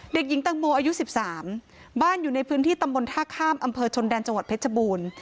เด็กหญิงตังโมอายุ๑๓บ้านอยู่ในพื้นที่ตำบลท่าข้ามอำเภอชนแดนจังหวัดเพชรบูรณ์